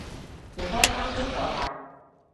件波衫邊個㗎？